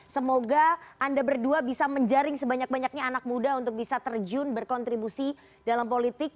semoga anda berdua bisa menjaring sebanyak banyaknya anak muda untuk bisa terjun berkontribusi dalam politik